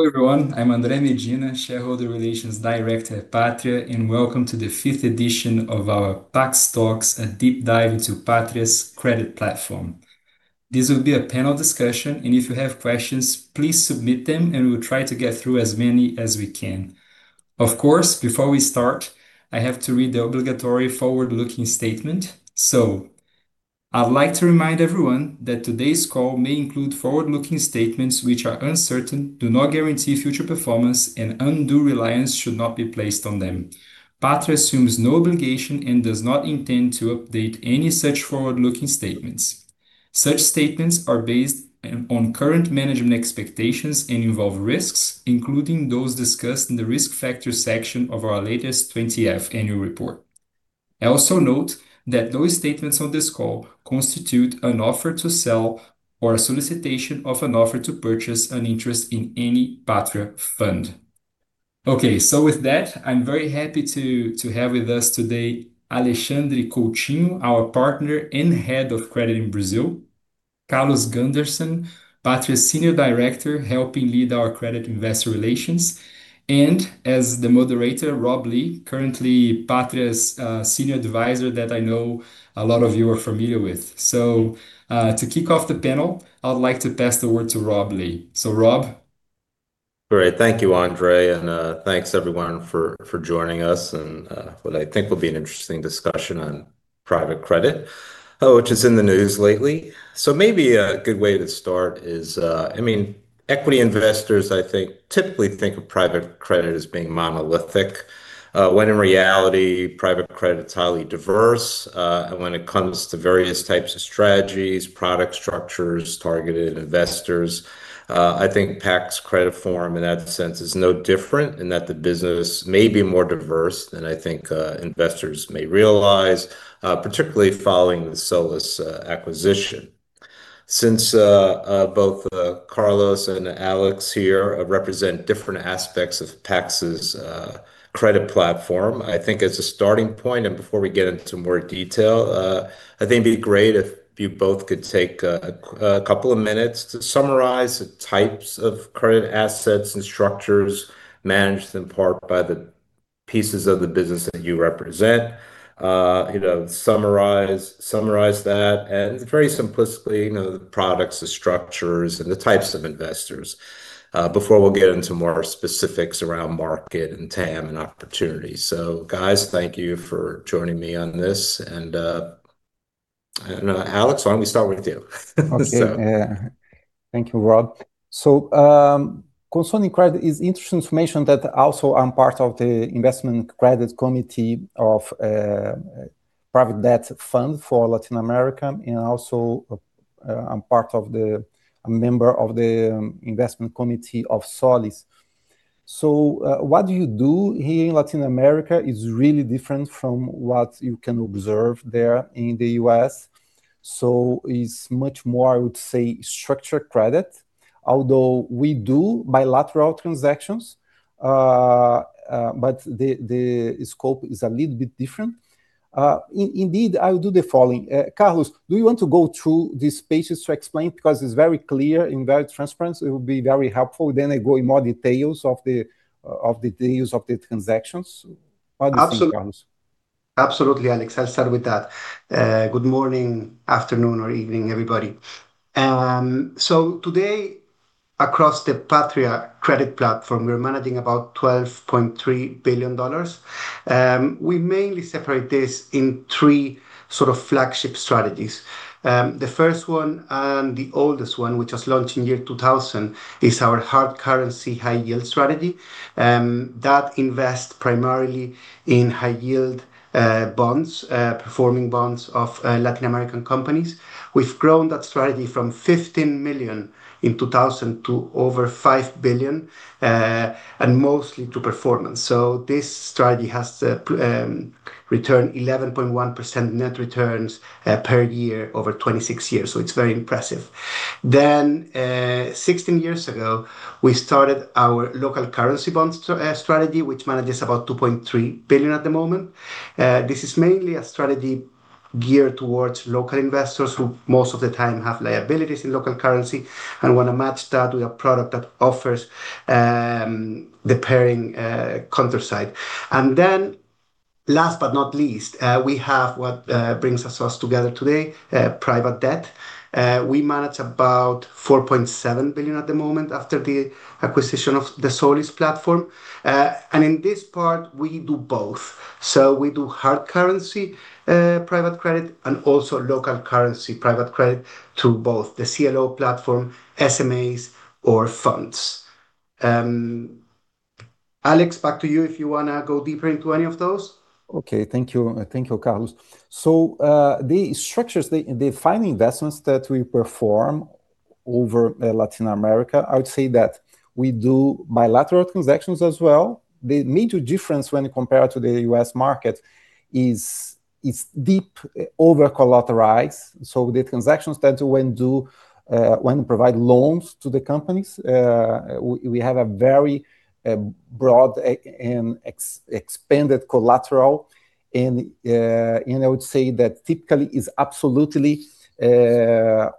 Hello, everyone. I'm Andre Medina, Shareholder Relations Director at Patria, and welcome to the fifth edition of our PAX Talks, a deep dive into Patria's credit platform. This will be a panel discussion, and if you have questions, please submit them and we will try to get through as many as we can. Of course, before we start, I have to read the obligatory forward-looking statement. I'd like to remind everyone that today's call may include forward-looking statements which are uncertain, do not guarantee future performance, and undue reliance should not be placed on them. Patria assumes no obligation and does not intend to update any such forward-looking statements. Such statements are based on current management expectations and involve risks, including those discussed in the risk factors section of our latest 20-F annual report. Also note that no statements on this call constitute an offer to sell or a solicitation of an offer to purchase an interest in any Patria fund. Okay. With that, I'm very happy to have with us today Alexandre Coutinho, our Partner and Head of Credit in Brazil, Carlos Gundersen, Patria's Senior Director helping lead our Credit Investor Relations, and as the moderator, Rob Lee, currently Patria's Senior Advisor that I know a lot of you are familiar with. To kick off the panel, I would like to pass the word to Rob Lee. Rob. Great. Thank you, Andre, and thanks, everyone, for joining us in what I think will be an interesting discussion on private credit, which is in the news lately. Maybe a good way to start is, equity investors, I think, typically think of private credit as being monolithic, when in reality, private credit's highly diverse, when it comes to various types of strategies, product structures, targeted investors. I think Patria credit platform, in that sense, is no different in that the business may be more diverse than I think investors may realize, particularly following the Solis acquisition. Since both Carlos and Alex here represent different aspects of PAX's credit platform, I think as a starting point, and before we get into more detail, I think it'd be great if you both could take a couple of minutes to summarize the types of credit assets and structures managed in part by the pieces of the business that you represent. Summarize that, and very simplistically, the products, the structures, and the types of investors, before we'll get into more specifics around market and TAM and opportunities. Guys, thank you for joining me on this. Alex, why don't we start with you? Okay. Thank you, Rob. Concerning credit, it's interesting information that also I'm part of the Investment Credit Committee of private debt fund for Latin America, and also I'm a member of the Investment Committee of Solis. What you do here in Latin America is really different from what you can observe there in the U.S. It's much more, I would say, structured credit, although we do bilateral transactions. The scope is a little bit different. Indeed, I will do the following. Carlos, do you want to go through these pages to explain? Because it's very clear and very transparent, so it will be very helpful. I go in more details of the transactions. What do you think, Carlos? Absolutely, Alexandre Coutinho. I'll start with that. Good morning, afternoon, or evening, everybody. Today, across the Patria Credit Platform, we're managing about $12.3 billion. We mainly separate this in three sort of flagship strategies. The first one and the oldest one, which was launched in year 2000, is our hard currency high-yield strategy that invests primarily in high-yield bonds, performing bonds of Latin American companies. We've grown that strategy from $15 million in 2000 to over $5 billion, and mostly through performance. This strategy has returned 11.1% net returns per year over 26 years, so it's very impressive. 16 years ago, we started our local currency bonds strategy, which manages about $2.3 billion at the moment. This is mainly a strategy geared towards local investors who most of the time have liabilities in local currency and want to match that with a product that offers the pairing counter side. Last but not least, we have what brings us together today, private debt. We manage about $4.7 billion at the moment after the acquisition of the Solis platform. In this part, we do both. We do hard currency private credit and also local currency private credit through both the CLO platform, SMAs, or funds. Alex, back to you if you want to go deeper into any of those. Okay. Thank you, Carlos. The structures, the final investments that we perform over Latin America, I would say that we do bilateral transactions as well. The major difference when compared to the U.S. market is deep overcollateralized, so the transactions tend to want to provide loans to the companies. We have a very broad and expanded collateral, and I would say that typically is absolutely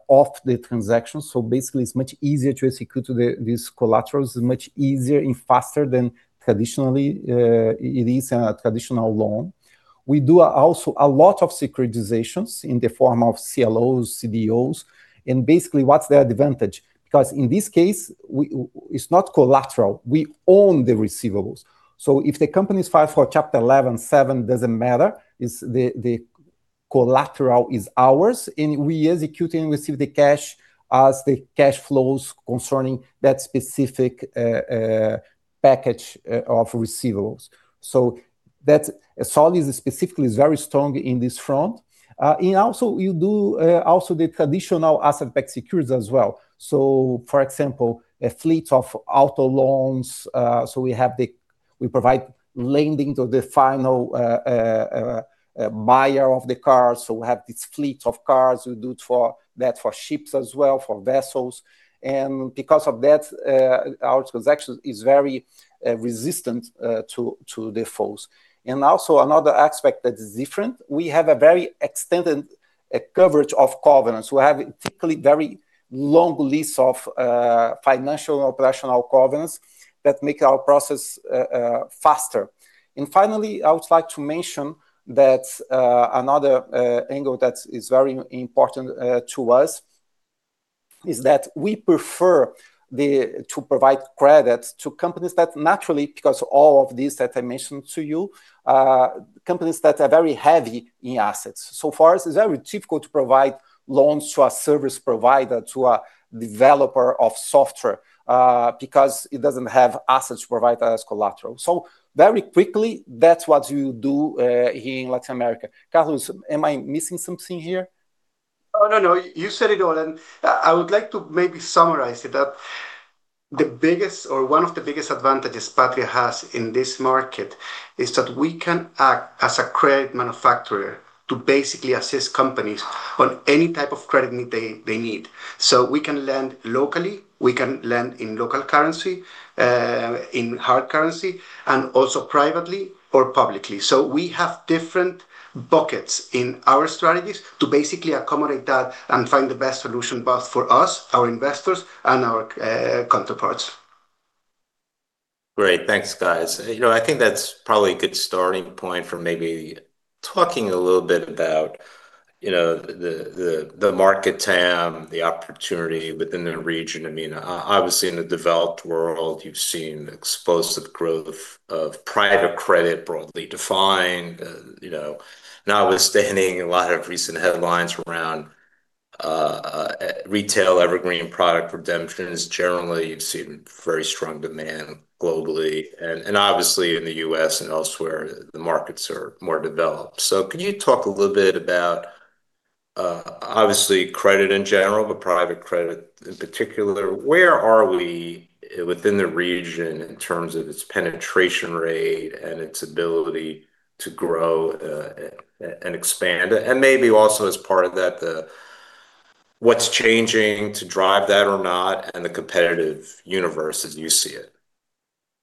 off the transaction. Basically, it's much easier to execute to these collaterals. It's much easier and faster than it is in a traditional loan. We do also a lot of securitizations in the form of CLOs, CDOs, and basically, what's their advantage? Because in this case, it's not collateral. We own the receivables. If the company file for Chapter 11, seven, doesn't matter, the collateral is ours, and we execute and receive the cash as the cash flows concerning that specific package of receivables. Solis specifically is very strong in this front. We do also the traditional asset-backed securities as well, for example, a fleet of auto loans. We provide lending to the final buyer of the cars. We have this fleet of cars. We do that for ships as well, for vessels. Because of that, our transaction is very resistant to defaults. Another aspect that is different, we have a very extended coverage of covenants. We have typically very long lists of financial operational covenants that make our process faster. Finally, I would like to mention that another angle that is very important to us is that we prefer to provide credit to companies that naturally, because all of this that I mentioned to you, companies that are very heavy in assets. For us, it's very difficult to provide loans to a service provider, to a developer of software, because it doesn't have assets to provide us collateral. Very quickly, that's what we do here in Latin America. Carlos, am I missing something here? Oh, no. You said it all, and I would like to maybe summarize it, that the biggest, or one of the biggest advantages Patria has in this market is that we can act as a credit manufacturer to basically assist companies on any type of credit they need. We can lend locally, we can lend in local currency, in hard currency, and also privately or publicly. We have different buckets in our strategies to basically accommodate that and find the best solution, both for us, our investors, and our counterparts. Great. Thanks, guys. I think that's probably a good starting point for maybe talking a little bit about the market TAM, the opportunity within the region. Obviously, in the developed world, you've seen explosive growth of private credit, broadly defined. Notwithstanding a lot of recent headlines around retail evergreen product redemptions, generally, you've seen very strong demand globally. Obviously in the U.S. and elsewhere, the markets are more developed. Can you talk a little bit about, obviously credit in general, but private credit in particular, where are we within the region in terms of its penetration rate and its ability to grow and expand? Maybe also as part of that, what's changing to drive that or not, and the competitive universe as you see it?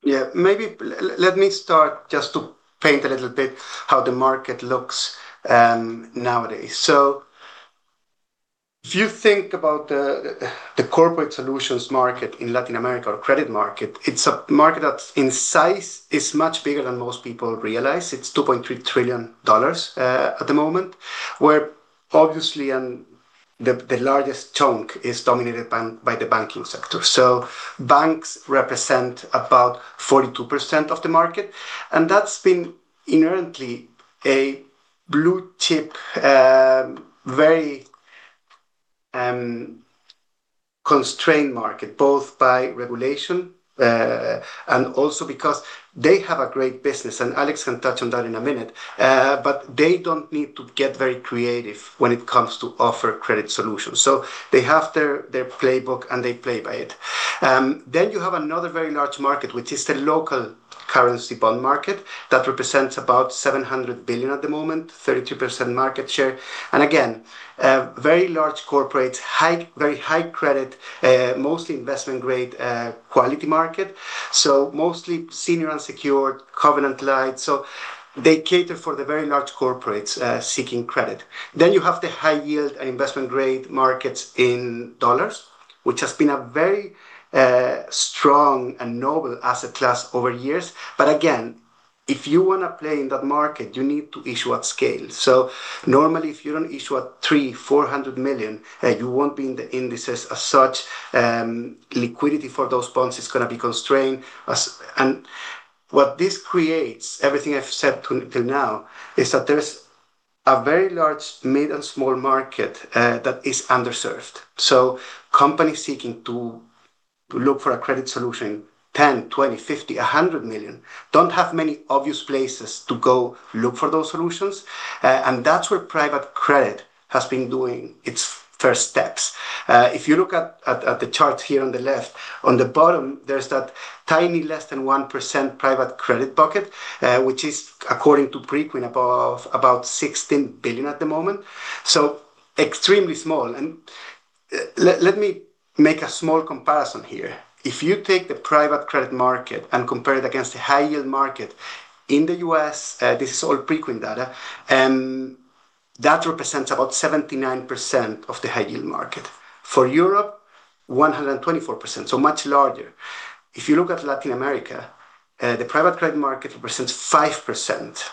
Yeah. Maybe let me start just to paint a little bit how the market looks nowadays. If you think about the corporate solutions market in Latin America, or credit market, it's a market that in size is much bigger than most people realize. It's $2.3 trillion at the moment, where obviously, the largest chunk is dominated by the banking sector. Banks represent about 42% of the market, and that's been inherently a blue-chip, very constrained market, both by regulation, and also because they have a great business, and Alex can touch on that in a minute. They don't need to get very creative when it comes to offer credit solutions. They have their playbook, and they play by it. You have another very large market, which is the local currency bond market. That represents about $700 billion at the moment, 32% market share. Again, very large corporates, very high credit, mostly investment-grade quality market, so mostly senior unsecured, covenant-light. They cater for the very large corporates seeking credit. You have the high-yield and investment-grade markets in dollars, which has been a very strong and noble asset class over years. Again, if you want to play in that market, you need to issue at scale. Normally, if you don't issue at $300-400 million, you won't be in the indices as such. Liquidity for those bonds is going to be constrained. What this creates, everything I've said till now, is that there's a very large mid- and small-market that is underserved. Companies seeking to look for a credit solution, $10 million, $20 million, $50 million, $100 million, don't have many obvious places to go look for those solutions. And that's where private credit has been doing its first steps. If you look at the chart here on the left, on the bottom, there's that tiny less than 1% private credit bucket, which is according to Preqin, above about 16 billion at the moment. So extremely small. And let me make a small comparison here. If you take the private credit market and compare it against the high-yield market in the US, this is all Preqin data, that represents about 79% of the high-yield market. For Europe, 124%, so much larger. If you look at Latin America, the private credit market represents 5%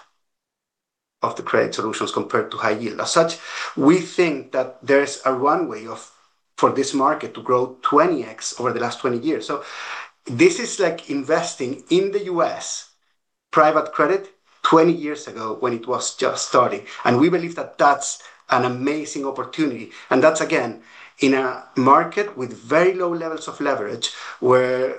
of the credit solutions compared to high yield. As such, we think that there is a runway for this market to grow 20x over the last 20 years. So this is like investing in the US private credit 20 years ago when it was just starting. We believe that that's an amazing opportunity. That's again, in a market with very low levels of leverage where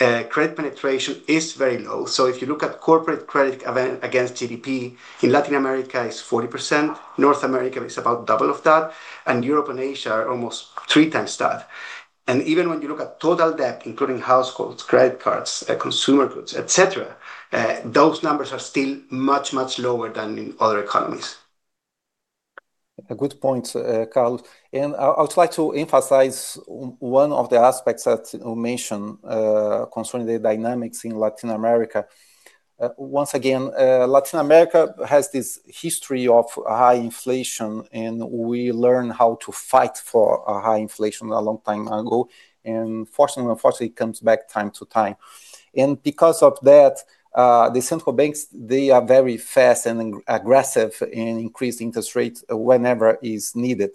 credit penetration is very low. If you look at corporate credit against GDP in Latin America is 40%. North America is about double of that, and Europe and Asia are almost three times that. Even when you look at total debt, including households, credit cards, consumer goods, et cetera, those numbers are still much, much lower than in other economies. A good point, Carlos, and I would like to emphasize one of the aspects that you mentioned concerning the dynamics in Latin America. Once again, Latin America has this history of high inflation, and we learn how to fight for high inflation a long time ago. Fortunately or unfortunately, it comes back time to time. Because of that, the central banks, they are very fast and aggressive in increasing interest rates whenever is needed.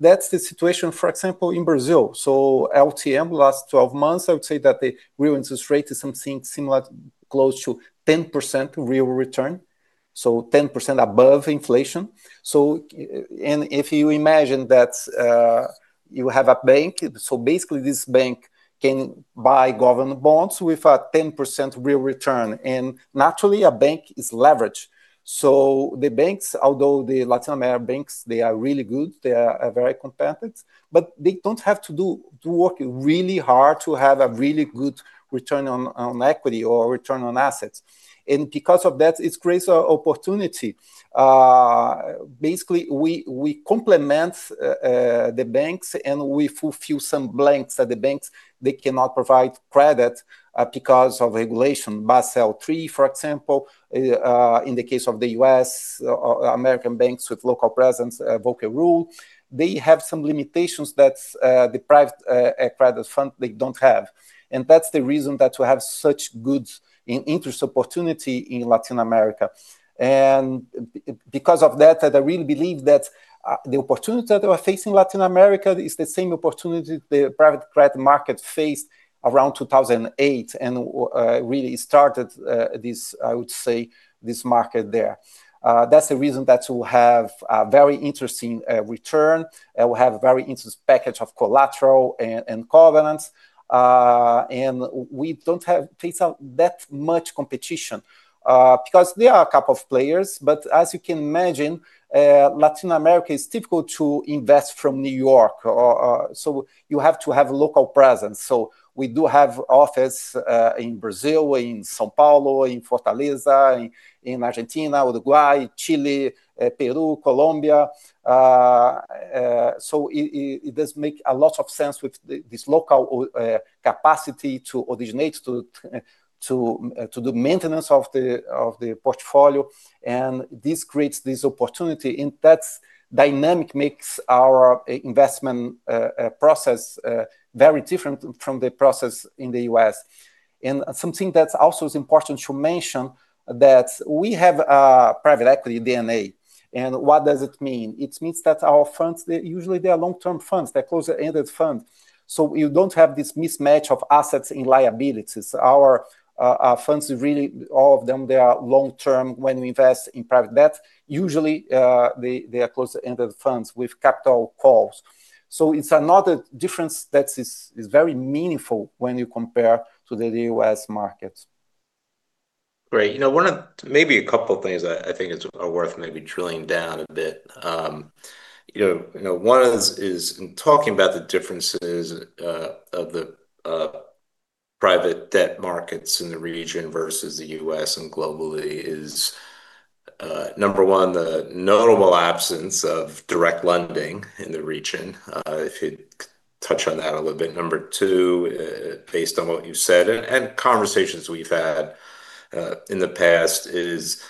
That's the situation, for example, in Brazil. LTM, last 12 months, I would say that the real interest rate is something similar, close to 10% real return, so 10% above inflation. If you imagine that you have a bank, so basically this bank can buy government bonds with a 10% real return. Naturally a bank is leveraged. Although the Latin American banks, they are really good, they are very competent, but they don't have to do work really hard to have a really good return on equity or return on assets. Because of that, it creates an opportunity. Basically, we complement the banks, and we fulfill some blanks at the banks. They cannot provide credit because of regulation. Basel III, for example, in the case of the U.S., American banks with local presence, Volcker Rule, they have some limitations that the private credit fund they don't have. That's the reason that we have such good interest opportunity in Latin America. Because of that, I really believe that the opportunity that we are facing in Latin America is the same opportunity the private credit market faced around 2008 and really started, I would say, this market there. That's the reason that we have a very interesting return, and we have a very interesting package of collateral and covenants. We don't face that much competition because there are a couple of players, but as you can imagine Latin America is difficult to invest from New York. You have to have local presence. We do have office in Brazil, in São Paulo, in Fortaleza, in Argentina, Uruguay, Chile, Peru, Colombia. It does make a lot of sense with this local capacity to originate to do maintenance of the portfolio. This creates this opportunity. That dynamic makes our investment process very different from the process in the U.S. Something that also is important to mention, that we have private equity DNA. What does it mean? It means that our funds, usually they are long-term funds. They're closed-ended funds. You don't have this mismatch of assets and liabilities. Our funds, really, all of them, they are long-term. When we invest in private debt, usually, they are closed-ended funds with capital calls. It's another difference that is very meaningful when you compare to the U.S. market. Great. One of maybe a couple of things I think are worth maybe drilling down a bit. One is in talking about the differences of the private debt markets in the region versus the U.S. and globally is, number one, the notable absence of direct lending in the region. If you'd touch on that a little bit. Number two, based on what you've said and conversations we've had in the past is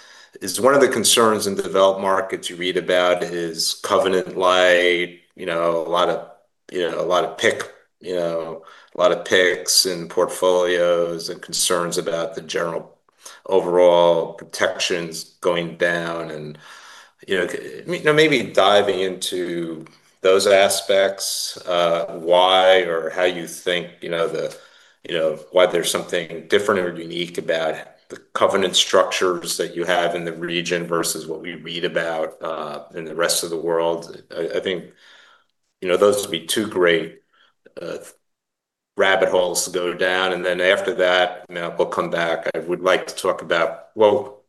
one of the concerns in developed markets you read about is covenant-light, a lot of PIKs in portfolios, and concerns about the general overall protections going down, and maybe diving into those aspects. You know why there's something different or unique about the covenant structures that you have in the region versus what we read about in the rest of the world. I think those would be two great rabbit holes to go down, and then after that, maybe we'll come back. I would like to talk about, well,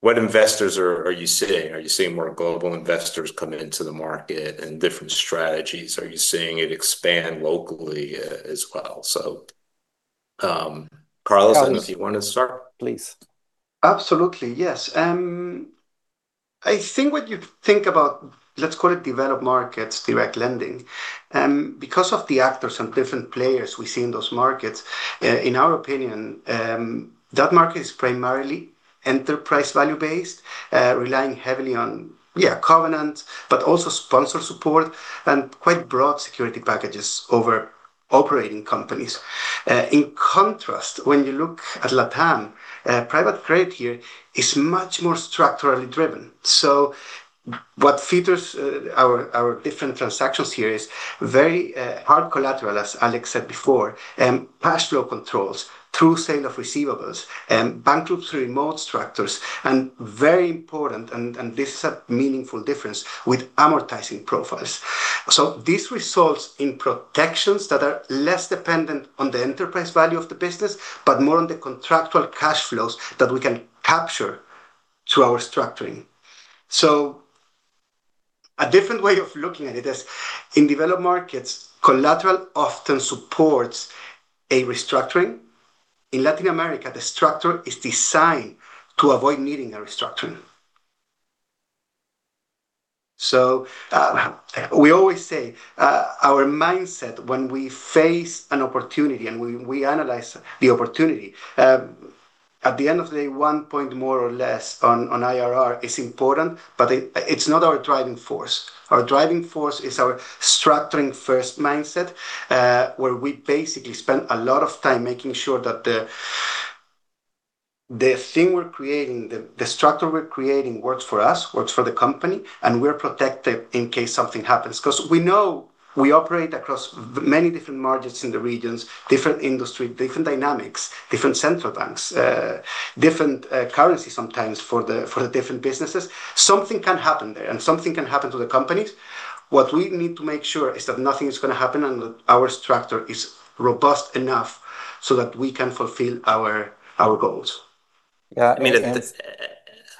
what investors are you seeing? Are you seeing more global investors come into the market and different strategies? Are you seeing it expand locally as well? Carlos, if you want to start. Please. Absolutely, yes. I think when you think about, let's call it developed markets, direct lending. Because of the actors and different players we see in those markets, in our opinion, that market is primarily enterprise value-based, relying heavily on, yeah, covenant, but also sponsor support and quite broad security packages over operating companies. In contrast, when you look at LATAM, private credit here is much more structurally driven. What features our different transactions here is very hard collateral, as Alexandre Coutinho said before, cash flow controls through sale of receivables, bankruptcy remote structures, and very important, and this is a meaningful difference, with amortizing profiles. This results in protections that are less dependent on the enterprise value of the business, but more on the contractual cash flows that we can capture through our structuring. A different way of looking at it is in developed markets, collateral often supports a restructuring. In Latin America, the structure is designed to avoid needing a restructuring. We always say our mindset when we face an opportunity and we analyze the opportunity, at the end of the day, one point more or less on IRR is important, but it's not our driving force. Our driving force is our structuring-first mindset, where we basically spend a lot of time making sure that the thing we're creating, the structure we're creating works for us, works for the company, and we're protected in case something happens because we know we operate across many different markets in the regions, different industry, different dynamics, different central banks, different currencies sometimes for the different businesses. Something can happen there and something can happen to the companies. What we need to make sure is that nothing is going to happen and that our structure is robust enough so that we can fulfill our goals.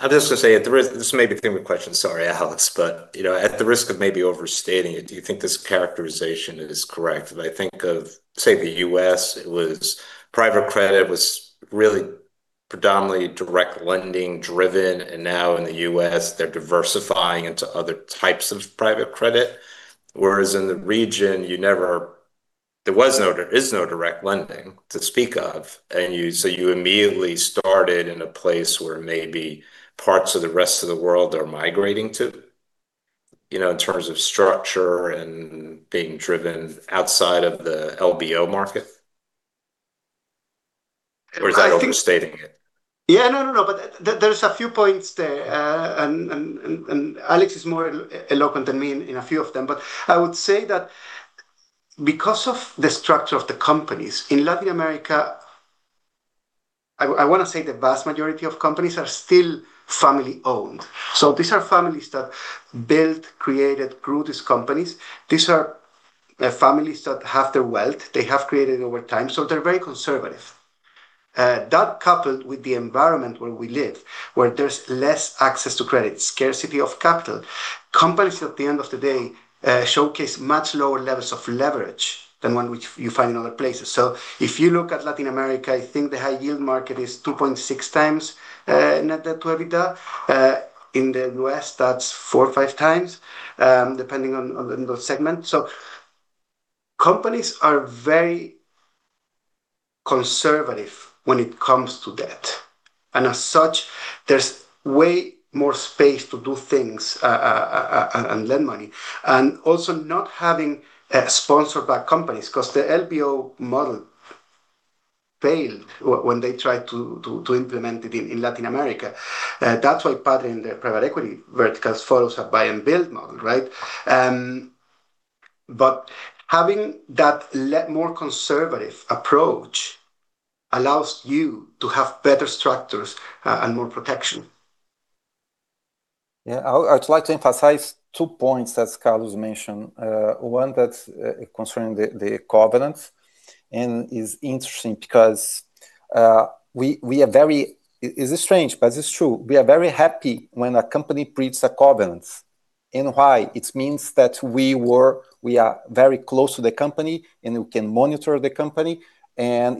Yeah, I mean. I was just going to say, this may be a stupid question. Sorry, Alexandre Coutinho, but at the risk of maybe overstating it, do you think this characterization is correct, that I think of, say, the U.S., private credit was really predominantly direct lending driven, and now in the U.S., they're diversifying into other types of private credit, whereas in the region, there is no direct lending to speak of? You immediately started in a place where maybe parts of the rest of the world are migrating to, in terms of structure and being driven outside of the LBO market. Is that overstating it? Yeah, no, there's a few points there. Alex is more eloquent than me in a few of them. I would say that because of the structure of the companies in Latin America, I want to say the vast majority of companies are still family-owned. These are families that built, created, grew these companies. These are families that have their wealth they have created over time. They're very conservative. That coupled with the environment where we live, where there's less access to credit, scarcity of capital, companies, at the end of the day, showcase much lower levels of leverage than one which you find in other places. If you look at Latin America, I think the high-yield market is 2.6 times net debt to EBITDA. In the U.S., that's four or five times, depending on the segment. Companies are very conservative when it comes to debt. As such, there's way more space to do things and lend money, also not having sponsor-backed companies because the LBO model failed when they tried to implement it in Latin America. That's why Patria's private equity verticals follows a buy and build model, right? Having that more conservative approach allows you to have better structures and more protection. Yeah. I would like to emphasize two points that Carlos mentioned. One that's concerning the covenant, and is interesting because it's strange, but it's true. We are very happy when a company creates a covenant. Why? It means that we are very close to the company, and we can monitor the company.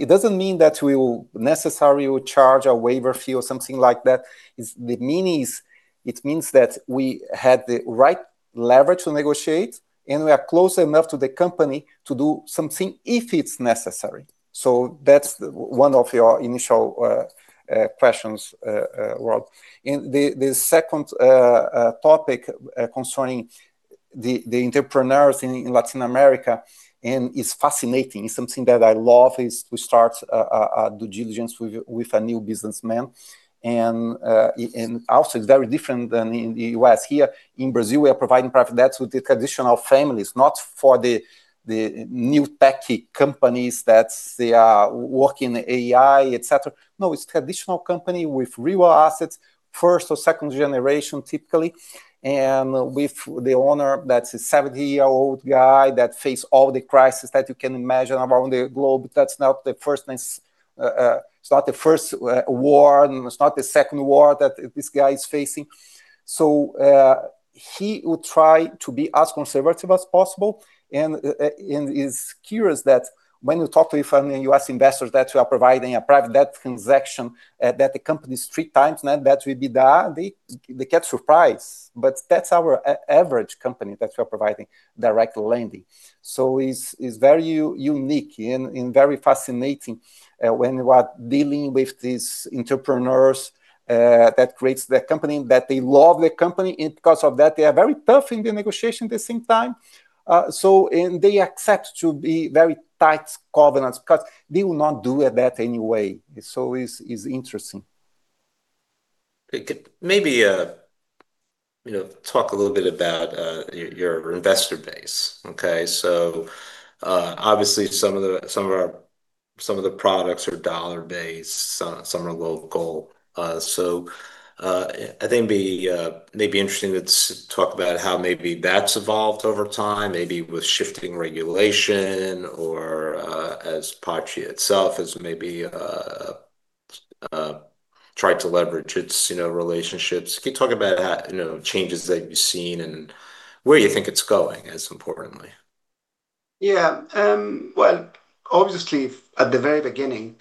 It doesn't mean that we will necessarily charge a waiver fee or something like that. The meaning is, it means that we had the right leverage to negotiate, and we are close enough to the company to do something if it's necessary. That's one of your initial questions, Rob Lee. The second topic concerning the entrepreneurs in Latin America, and it's fascinating. It's something that I love, is to start due diligence with a new businessman. Also, it's very different than in the U.S. Here in Brazil, we are providing private debts with the traditional families, not for the new techie companies that they are working AI, et cetera. No, it's traditional company with real assets, first or second generation typically, and with the owner that's a 70-year-old guy that face all the crisis that you can imagine around the globe. That's not the first war, and it's not the second war that this guy is facing. He would try to be as conservative as possible and is curious that when you talk to a family, U.S. investors, that you are providing a private debt transaction, that the company is three times net debt to EBITDA, they get surprised. That's our average company that we're providing direct lending. It's very unique and very fascinating when you are dealing with these entrepreneurs that creates the company, that they love the company. Because of that, they are very tough in the negotiation at the same time. They accept to be very tight covenants because they will not do that anyway. It's interesting. Maybe talk a little bit about your investor base. Okay. Obviously some of the products are dollar-based, some are local. I think it may be interesting to talk about how maybe that's evolved over time, maybe with shifting regulation or as Patria itself has maybe tried to leverage its relationships. Can you talk about changes that you've seen and where you think it's going, as importantly? Yeah. Well, obviously at the very beginning,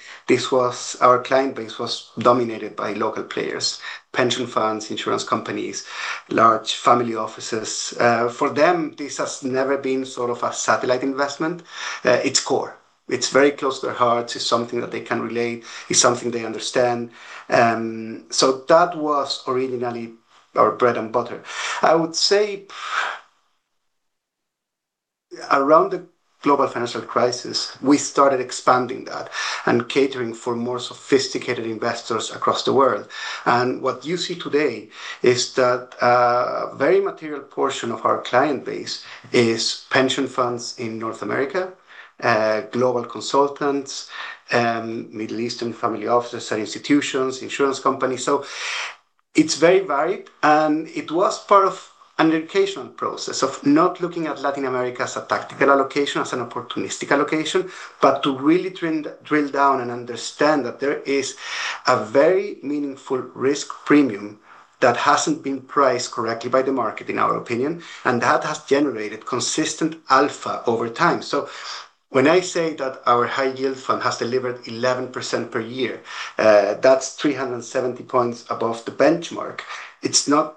our client base was dominated by local players, pension funds, insurance companies, large family offices. For them, this has never been sort of a satellite investment. It's core. It's very close to their heart. It's something that they can relate. It's something they understand. That was originally our bread and butter. I would say around the global financial crisis, we started expanding that and catering for more sophisticated investors across the world. What you see today is that a very material portion of our client base is pension funds in North America, global consultants, Middle Eastern family offices and institutions, insurance companies. It's very varied, and it was part of an educational process of not looking at Latin America as a tactical allocation, as an opportunistic allocation, but to really drill down and understand that there is a very meaningful risk premium that hasn't been priced correctly by the market, in our opinion. That has generated consistent alpha over time. When I say that our high yield fund has delivered 11% per year, that's 370 points above the benchmark. It's not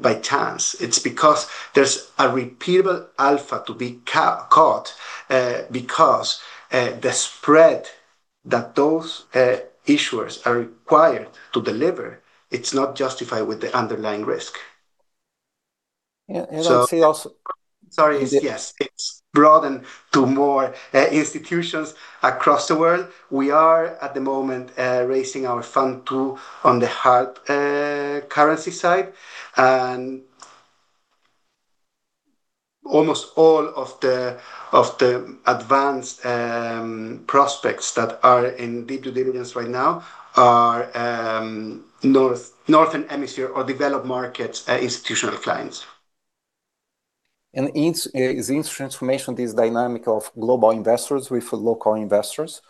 by chance. It's because there's a repeatable alpha to be caught, because the spread that those issuers are required to deliver, it's not justified with the underlying risk. I see also. Sorry. Yes, it's broadened to more institutions across the world. We are, at the moment, raising our Fund II on the hard currency side, and almost all of the advanced prospects that are in deep due diligence right now are Northern Hemisphere or developed markets institutional clients. It's transformation, this dynamic of global investors with local investors,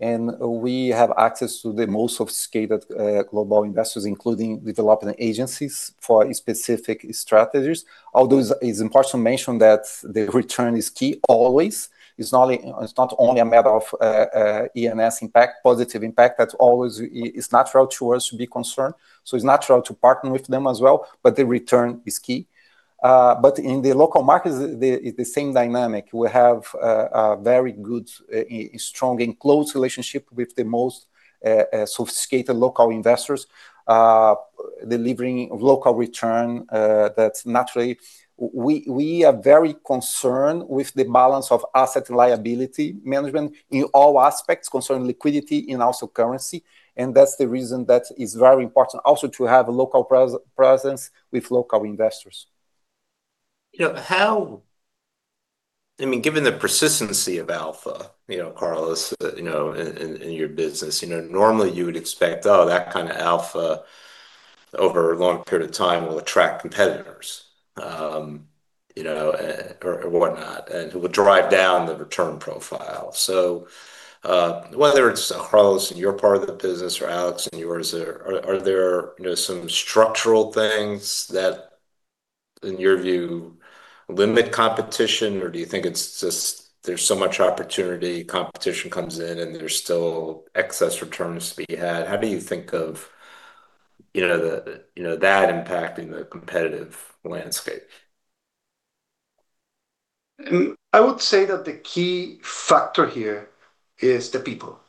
and we have access to the most sophisticated global investors, including development agencies for specific strategies. Although it's important to mention that the return is key always. It's not only a matter of E&S positive impact. That's always is natural to us to be concerned, so it's natural to partner with them as well. The return is key. In the local markets, the same dynamic. We have a very good, strong, and close relationship with the most sophisticated local investors, delivering local return. That's naturally, we are very concerned with the balance of asset and liability management in all aspects concerning liquidity and also currency. That's the reason that is very important also to have a local presence with local investors. Given the persistency of alpha, Carlos, in your business, normally you would expect that kind of alpha over a long period of time will attract competitors or whatnot, and it will drive down the return profile. Whether it's Carlos in your part of the business or Alex in yours, are there some structural things that, in your view, limit competition? Do you think it's just there's so much opportunity, competition comes in, and there's still excess returns to be had? How do you think of that impacting the competitive landscape? I would say that the key factor here is the people.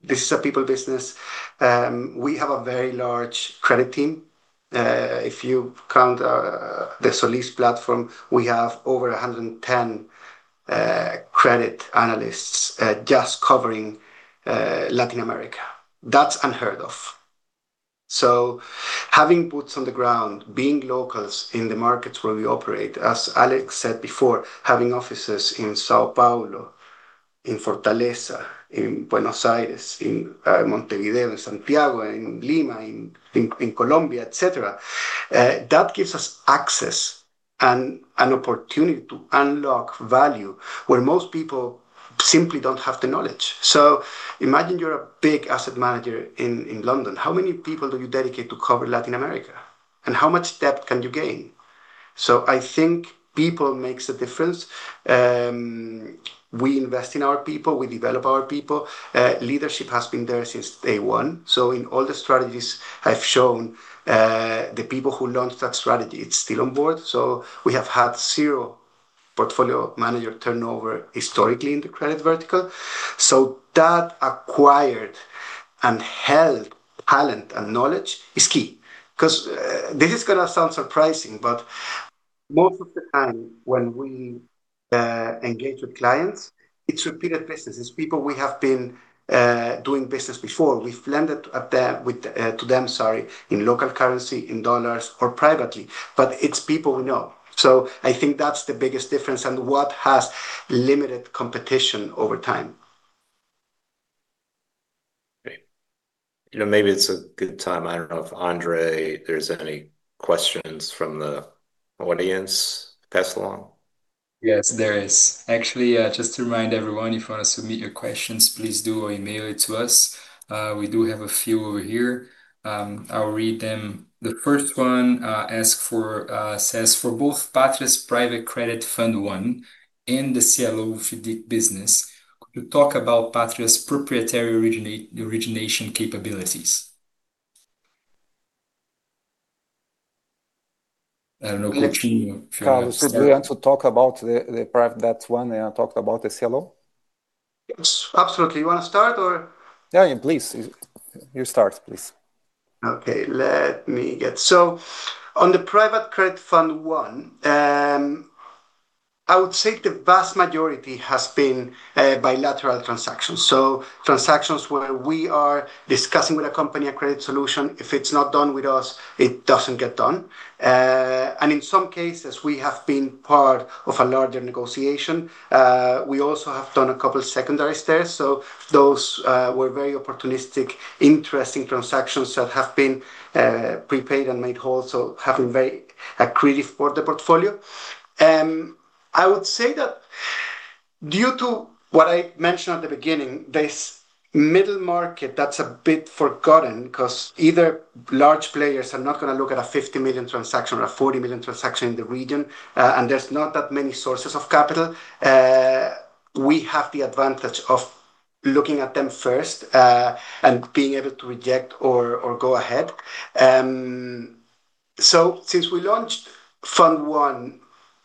This is a people business. We have a very large credit team. If you count the Solis platform, we have over 110 credit analysts just covering Latin America. That's unheard of. Having boots on the ground, being locals in the markets where we operate, as Alex said before, having offices in São Paulo, in Fortaleza, in Buenos Aires, in Montevideo, in Santiago, in Lima, in Colombia, et cetera, that gives us access and an opportunity to unlock value where most people simply don't have the knowledge. Imagine you're a big asset manager in London. How many people do you dedicate to cover Latin America, and how much depth can you gain? I think people makes a difference. We invest in our people. We develop our people. Leadership has been there since day one. In all the strategies I've shown, the people who launched that strategy, it's still on board. We have had zero portfolio manager turnover historically in the credit vertical. That acquired and held talent and knowledge is key, because this is going to sound surprising, but most of the time when we engage with clients, it's repeated business. It's people we have been doing business before. We've lended to them in local currency, in dollars, or privately. It's people we know. I think that's the biggest difference and what has limited competition over time. Great. Maybe it's a good time, I don't know if, Andre, there's any questions from the audience to pass along? Yes, there is. Actually, just to remind everyone, if you want to submit your questions, please do email it to us. We do have a few over here. I'll read them. The first one says, for both Patria's Private Credit Fund One and the CLO FIDC business, could you talk about Patria's proprietary origination capabilities? I don't know, Coutinho, if you want to start. Carlos, do you want to talk about the private, that one, and I talk about the CLO? Yes, absolutely. You want to start or? Yeah, please. You start, please. Okay. On the private credit fund one, I would say the vast majority has been bilateral transactions where we are discussing with a company a credit solution. If it's not done with us, it doesn't get done. In some cases, we have been part of a larger negotiation. We also have done a couple secondary trades. Those were very opportunistic, interesting transactions that have been prepaid and made whole, so have been very accretive for the portfolio. I would say that due to what I mentioned at the beginning, this middle market, that's a bit forgotten because either large players are not going to look at a $50 million transaction or a $40 million transaction in the region, and there's not that many sources of capital. We have the advantage of looking at them first, and being able to reject or go ahead. Since we launched Fund I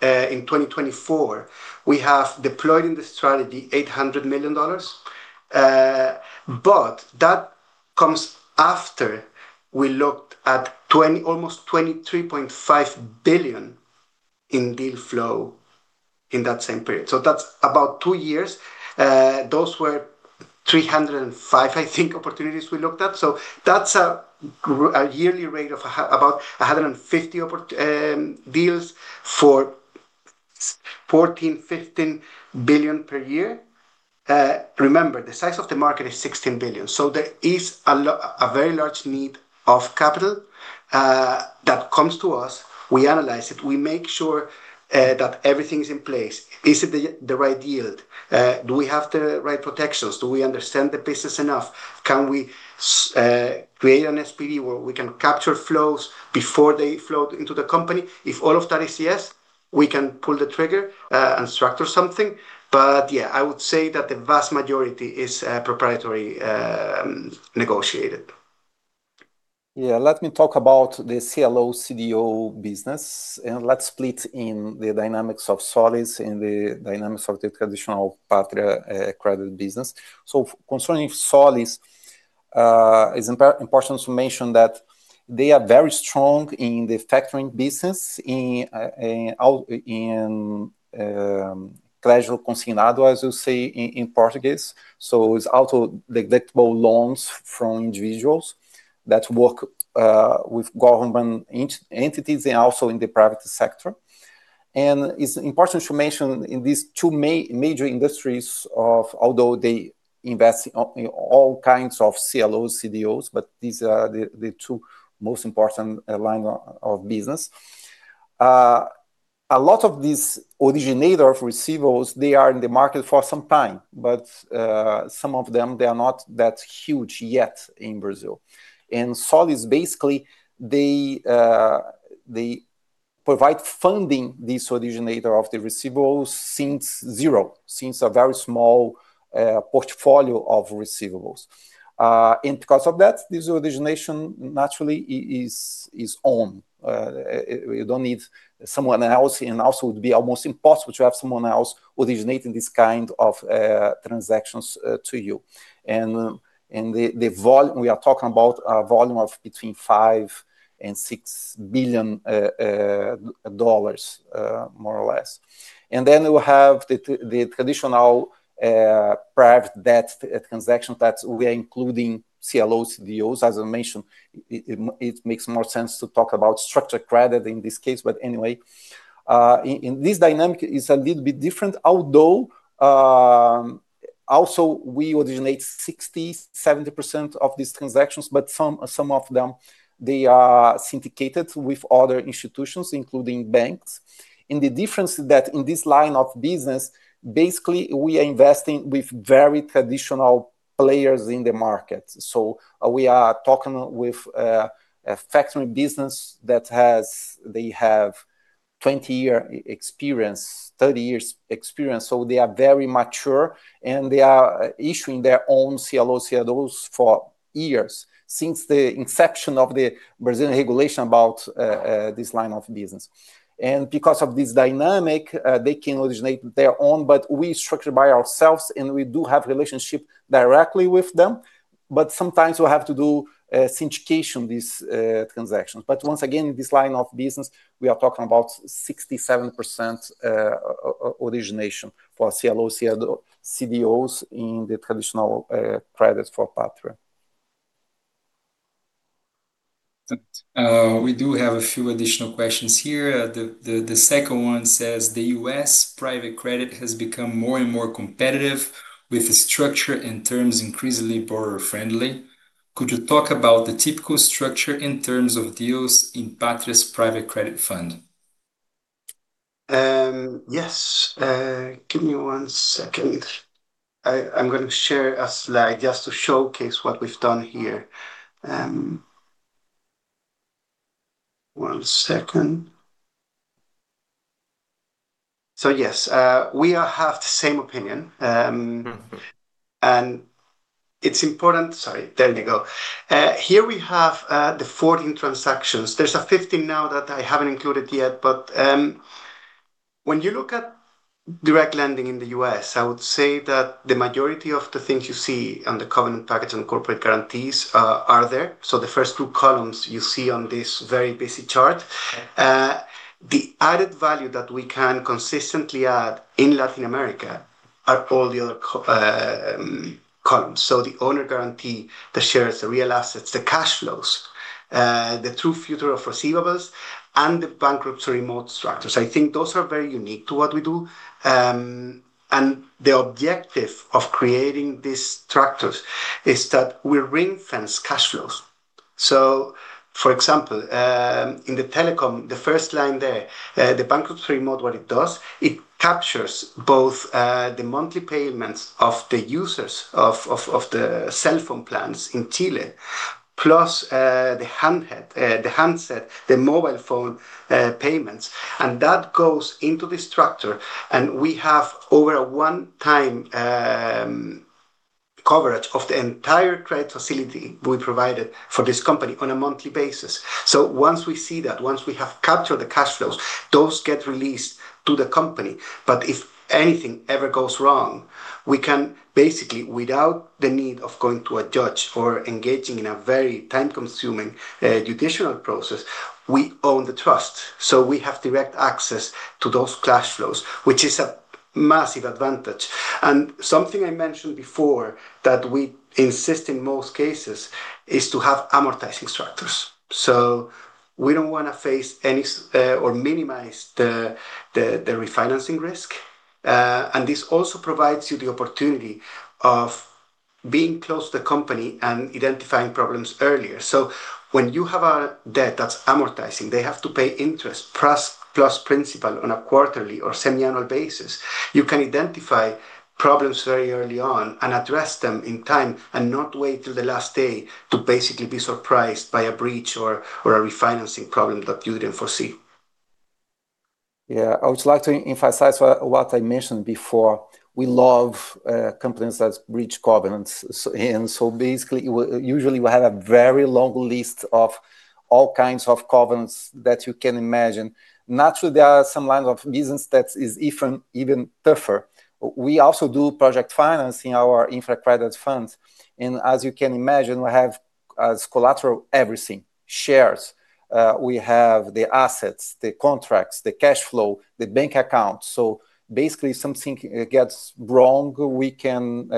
in 2024, we have deployed in the strategy $800 million. That comes after we looked at almost $23.5 billion in deal flow in that same period. That's about two years. Those were 305, I think, opportunities we looked at. That's a yearly rate of about 150 deals for $14 billion-$15 billion per year. Remember, the size of the market is $16 billion. There is a very large need of capital that comes to us. We analyze it. We make sure that everything's in place. Is it the right yield? Do we have the right protections? Do we understand the business enough? Can we create an SPV where we can capture flows before they flow into the company? If all of that is yes, we can pull the trigger and structure something. Yeah, I would say that the vast majority is proprietary negotiated. Yeah, let me talk about the CLO, CDO business, and let's split in the dynamics of Solis and the dynamics of the traditional Patria credit business. Concerning Solis, it's important to mention that they are very strong in the factoring business, in consignado, as you say in Portuguese. It's also the collectible loans from individuals that work with government entities and also in the private sector. It's important to mention in these two major industries, although they invest in all kinds of CLOs, CDOs, but these are the two most important line of business. A lot of these originator of receivables, they are in the market for some time. Some of them, they are not that huge yet in Brazil. In Solis, basically, they provide funding these originator of the receivables since zero, since a very small. Portfolio of receivables. Because of that, this origination naturally is own. You don't need someone else, and also it would be almost impossible to have someone else originating this kind of transactions to you. We are talking about a volume of between $5 billion and $6 billion, more or less. We have the traditional private debt transaction that we are including CLOs, CDOs. As I mentioned, it makes more sense to talk about structured credit in this case. In this dynamic, it's a little bit different, although also we originate 60%-70% of these transactions, but some of them, they are syndicated with other institutions, including banks. The difference is that in this line of business, basically, we are investing with very traditional players in the market. We are talking with a factoring business, they have 20-year experience, 30 years experience. They are very mature, and they are issuing their own CLOs, CDOs for years, since the inception of the Brazilian regulation about this line of business. Because of this dynamic, they can originate their own, but we structure by ourselves, and we do have relationship directly with them. Sometimes we have to do syndication these transactions. Once again, in this line of business, we are talking about 67% origination for CLO, CDOs in the traditional credit for Patria. We do have a few additional questions here. The second one says, the U.S. private credit has become more and more competitive with the structure and terms increasingly borrower-friendly. Could you talk about the typical structure in terms of deals in Patria's private credit fund? Yes. Give me one second. I'm going to share a slide just to showcase what we've done here. One second. Yes, we all have the same opinion. Sorry, there we go. Here we have the 14 transactions. There's a 15 now that I haven't included yet, but when you look at direct lending in the U.S., I would say that the majority of the things you see on the covenant package and corporate guarantees are there. The first two columns you see on this very busy chart. Okay. The added value that we can consistently add in Latin America are all the other columns, the owner guarantee, the shares, the real assets, the cash flows, the true future of receivables, and the bankruptcy remote structures. I think those are very unique to what we do. The objective of creating these structures is that we ring-fence cash flows. For example, in the telecom, the first line there, the bankruptcy remote, what it does, it captures both the monthly payments of the users of the cellphone plans in Chile, plus, the handset, the mobile phone payments. That goes into the structure. We have over a one time coverage of the entire credit facility we provided for this company on a monthly basis. Once we see that, once we have captured the cash flows, those get released to the company. If anything ever goes wrong, without the need of going to a judge or engaging in a very time-consuming judicial process, we own the trust, so we have direct access to those cash flows, which is a massive advantage. Something I mentioned before that we insist in most cases is to have amortizing structures. We don't want to face any, or minimize the refinancing risk. This also provides you the opportunity of being close to the company and identifying problems earlier. When you have a debt that's amortizing, they have to pay interest plus principal on a quarterly or semiannual basis. You can identify problems very early on and address them in time and not wait till the last day to basically be surprised by a breach or a refinancing problem that you didn't foresee. Yeah. I would like to emphasize what I mentioned before. We love companies that breach covenants. Basically, usually, we have a very long list of all kinds of covenants that you can imagine. Naturally, there are some lines of business that is even tougher. We also do project finance in our infra credit funds. As you can imagine, we have as collateral, everything. Shares, we have the assets, the contracts, the cash flow, the bank accounts. Basically, if something gets wrong, we can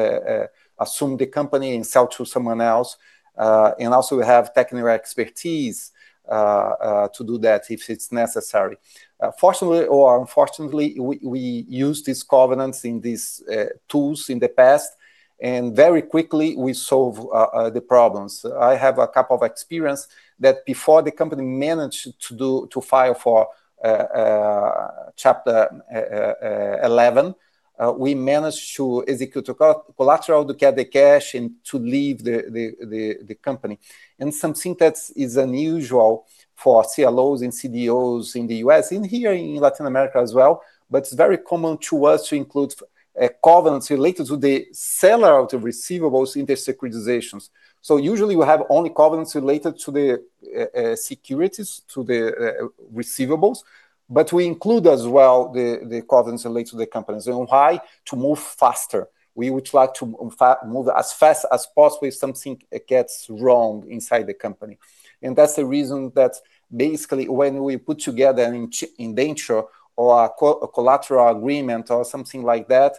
assume the company and sell to someone else. Also, we have technical expertise to do that if it's necessary. Fortunately or unfortunately, we used these covenants in these tools in the past, and very quickly we solve the problems. I have a couple of experience that before the company managed to file for Chapter 11, we managed to execute a collateral to get the cash and to leave the company. Something that is unusual for CLOs and CDOs in the U.S. and here in Latin America as well, but it's very common to us to include a covenant related to the seller of the receivables in their securitizations. Usually we have only covenants related to the securities, to the receivables, but we include as well the covenants related to the companies. Why? To move faster. We would like to move as fast as possible if something gets wrong inside the company. That's the reason that basically when we put together an indenture or a collateral agreement or something like that,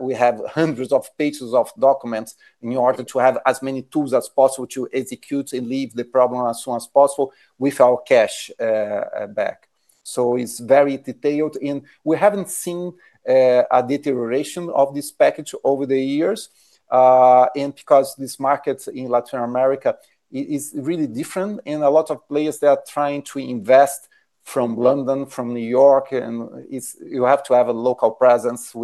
we have hundreds of pages of documents in order to have as many tools as possible to execute and leave the problem as soon as possible with our cash back. It's very detailed, and we haven't seen a deterioration of this package over the years. Because this market in Latin America is really different, and a lot of players, they are trying to invest from London, from New York, and you have to have a local presence.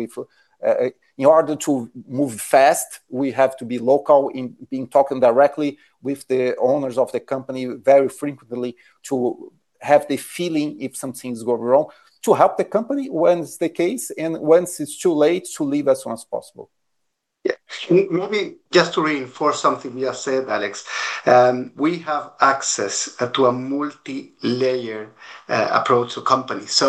In order to move fast, we have to be local and been talking directly with the owners of the company very frequently to have the feeling if some things go wrong, to help the company when it's the case, and once it's too late, to leave as soon as possible. Yeah. Maybe just to reinforce something you just said, Alex. We have access to a multilayered approach to companies.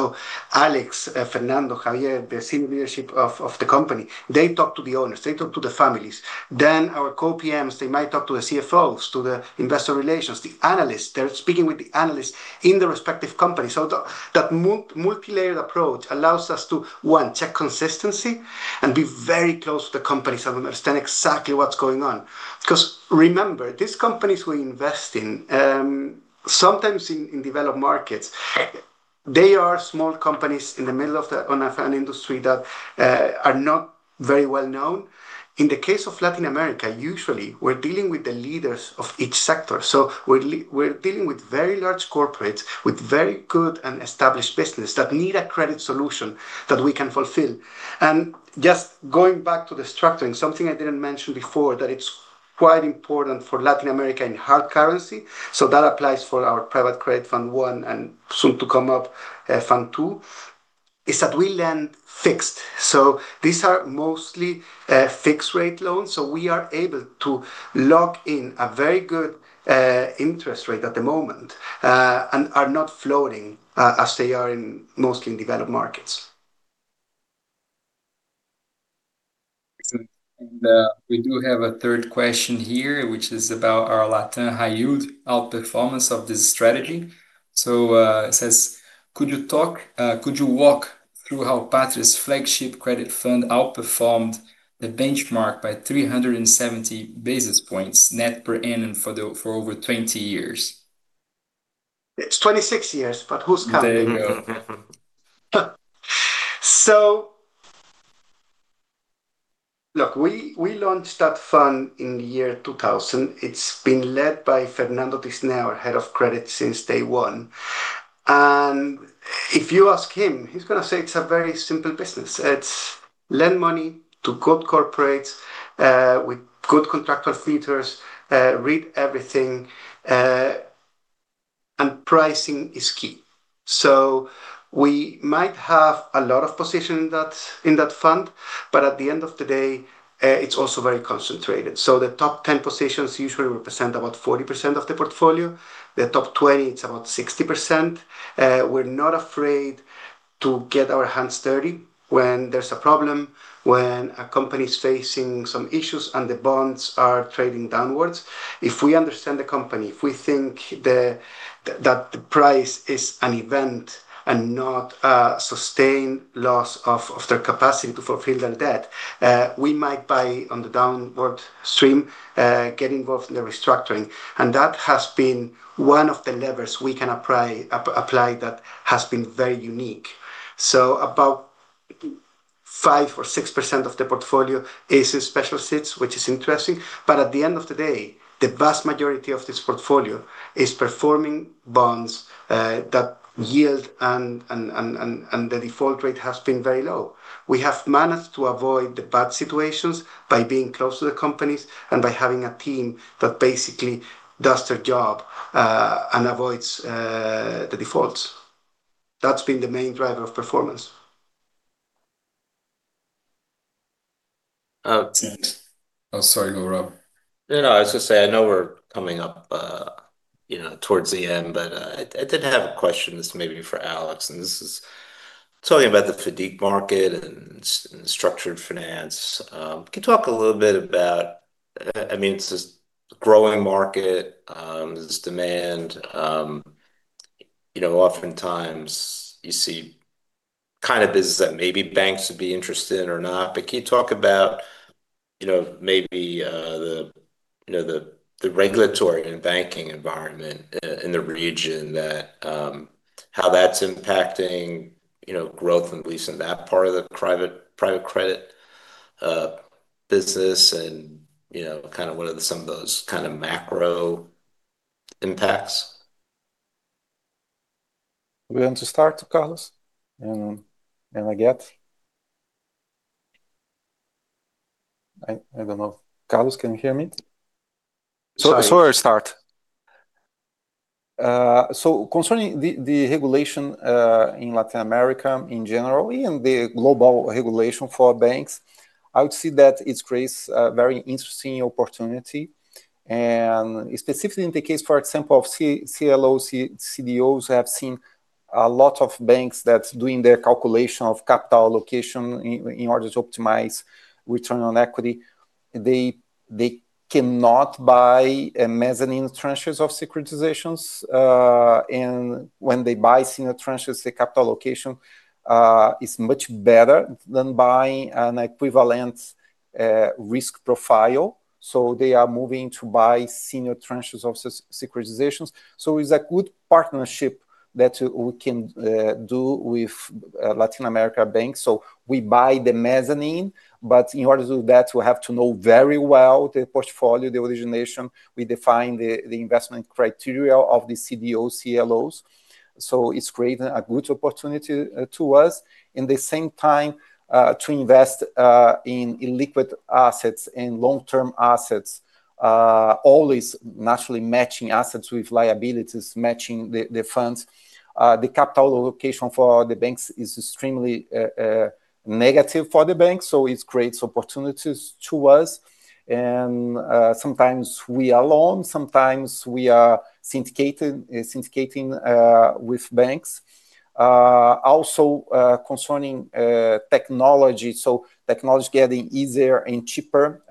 Alex, Fernando, Javier, the Senior Leadership of the company, they talk to the owners, they talk to the families. Our Co-PMs, they might talk to the CFOs, to the Investor Relations, the analysts. They're speaking with the analysts in the respective companies. That multilayered approach allows us to, one, check consistency and be very close to the companies and understand exactly what's going on. Because remember, these companies we invest in, sometimes in developed markets, they are small companies in the middle of an industry that are not very well-known. In the case of Latin America, usually, we're dealing with the leaders of each sector. We're dealing with very large corporates with very good and established businesses that need a credit solution that we can fulfill. Just going back to the structuring, something I didn't mention before that it's quite important for Latin America in hard currency, so that applies for our Private Credit Fund I and soon to come up, Fund II, is that we lend fixed. These are mostly fixed-rate loans, so we are able to lock in a very good interest rate at the moment, and are not floating as they are mostly in developed markets. Excellent. We do have a third question here, which is about our Latin High Yield outperformance of this strategy. It says, could you walk through how Patria's flagship credit fund outperformed the benchmark by 370 basis points net per annum for over 20 years? It's 26 years, but who's counting? There you go. Look, we launched that fund in the year 2000. It's been led by Fernando Tisné, our Head of Credit, since day one. If you ask him, he's going to say it's a very simple business. It's lend money to good corporates, with good contractual features, read everything, and pricing is key. We might have a lot of position in that fund, but at the end of the day, it's also very concentrated. The top 10 positions usually represent about 40% of the portfolio. The top 20, it's about 60%. We're not afraid to get our hands dirty when there's a problem, when a company's facing some issues and the bonds are trading downwards. If we understand the company, if we think that the price is an event and not a sustained loss of their capacity to fulfill their debt, we might buy on the downward stream, get involved in the restructuring, and that has been one of the levers we can apply that has been very unique. About 5% or 6% of the portfolio is in special situations, which is interesting. At the end of the day, the vast majority of this portfolio is performing bonds, that yield and the default rate has been very low. We have managed to avoid the bad situations by being close to the companies and by having a team that basically does their job and avoids the defaults. That's been the main driver of performance. Oh- That's it. Oh, sorry. Go, Rob. No, I was going to say, I know we're coming up towards the end, but I did have a question that's maybe for Alex, and this is talking about the FIDC market and structured finance. It's this growing market, this demand. Oftentimes you see businesses that maybe banks would be interested in or not, but can you talk about maybe the regulatory and banking environment in the region, how that's impacting growth in at least that part of the private credit business and what are some of those macro impacts? We want to start, Carlos. I don't know. Carlos, can you hear me? Sorry. I start. Concerning the regulation in Latin America in general and the global regulation for banks, I would say that it creates a very interesting opportunity. Specifically in the case, for example, of CLOs, CDOs, I have seen a lot of banks that's doing their calculation of capital allocation in order to optimize return on equity. They cannot buy mezzanine tranches of securitizations, and when they buy senior tranches, the capital allocation is much better than buying an equivalent risk profile. They are moving to buy senior tranches of securitizations. It's a good partnership that we can do with Latin America banks. We buy the mezzanine, but in order to do that, we have to know very well the portfolio, the origination. We define the investment criteria of the CDO, CLOs. It's creating a good opportunity to us. In the same time, to invest in liquid assets, in long-term assets, always naturally matching assets with liabilities, matching the funds. The capital allocation for the banks is extremely negative for the banks, so it creates opportunities to us. Sometimes we are alone, sometimes we are syndicating with banks. Also concerning technology, so technology is getting easier and cheaper.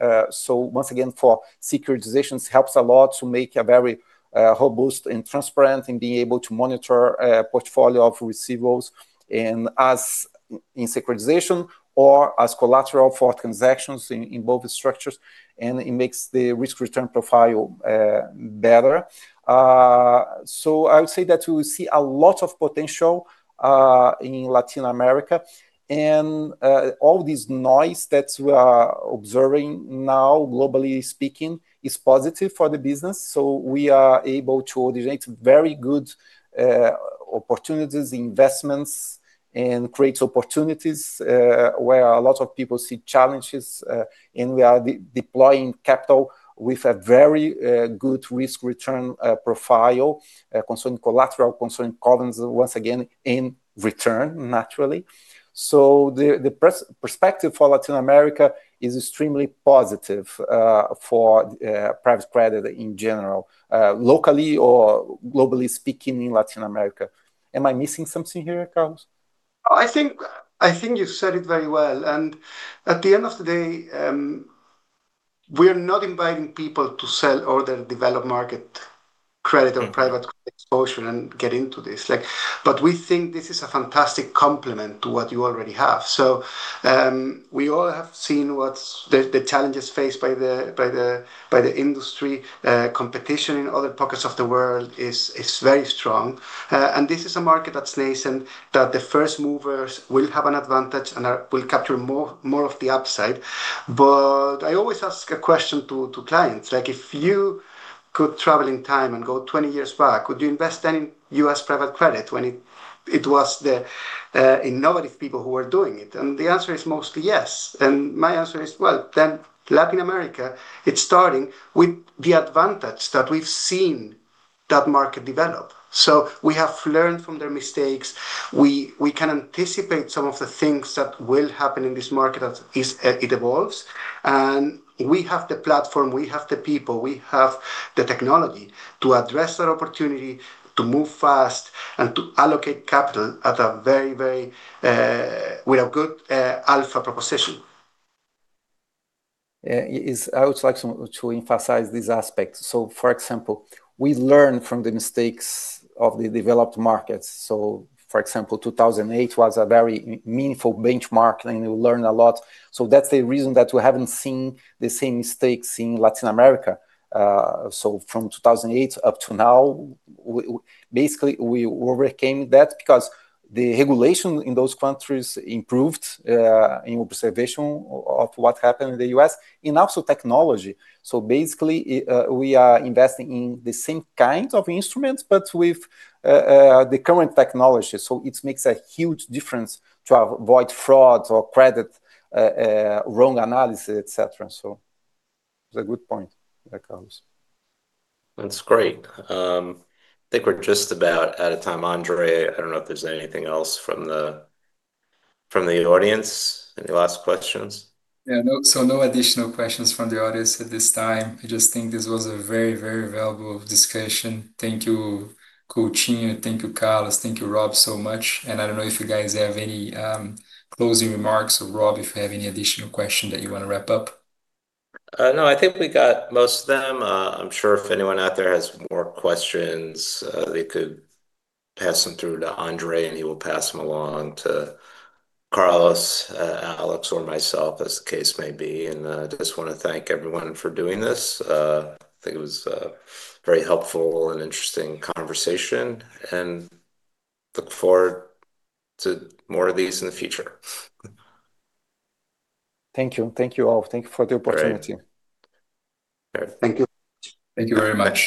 Once again, for securitizations, helps a lot to make a very robust and transparent and being able to monitor a portfolio of receivables and as in securitization or as collateral for transactions in both structures, and it makes the risk-return profile better. I would say that we see a lot of potential in Latin America. All this noise that we are observing now, globally speaking, is positive for the business. We are able to generate very good opportunities, investments, and create opportunities, where a lot of people see challenges. We are deploying capital with a very good risk-return profile concerning collateral, concerning covenants, once again, in return, naturally. The perspective for Latin America is extremely positive for private credit in general, locally or globally speaking, in Latin America. Am I missing something here, Carlos? I think you said it very well. At the end of the day, we are not inviting people to sell all their developed market credit or private exposure and get into this. We think this is a fantastic complement to what you already have. We all have seen what's the challenges faced by the industry. Competition in other pockets of the world is very strong. This is a market that's nascent, that the first movers will have an advantage and will capture more of the upside. I always ask a question to clients, like if you could travel in time and go 20 years back, would you invest any U.S. private credit when it was the innovative people who were doing it? The answer is mostly yes. My answer is, well, then Latin America, it's starting with the advantage that we've seen that market develop. We have learned from their mistakes. We can anticipate some of the things that will happen in this market as it evolves. We have the platform, we have the people, we have the technology to address that opportunity, to move fast, and to allocate capital with a good alpha proposition. Yeah. I would like to emphasize this aspect. For example, we learn from the mistakes of the developed markets. For example, 2008 was a very meaningful benchmark, and we learned a lot. That's the reason that we haven't seen the same mistakes in Latin America. From 2008 up to now, basically, we overcame that because the regulation in those countries improved in observation of what happened in the U.S., and also technology. Basically, we are investing in the same kinds of instruments, but with the current technology. It makes a huge difference to avoid fraud or credit, wrong analysis, et cetera. It's a good point there, Carlos. That's great. I think we're just about out of time. Andre, I don't know if there's anything else from the audience. Any last questions? Yeah. No additional questions from the audience at this time. I just think this was a very, very valuable discussion. Thank you, Coutinho. Thank you, Carlos. Thank you, Rob, so much. I don't know if you guys have any closing remarks or, Rob, if you have any additional question that you want to wrap up. No, I think we got most of them. I'm sure if anyone out there has more questions, they could pass them through to Andre, and he will pass them along to Carlos, Alex, or myself as the case may be. I just want to thank everyone for doing this. I think it was a very helpful and interesting conversation, and look forward to more of these in the future. Thank you. Thank you all. Thank you for the opportunity. Great. Thank you. Thank you very much.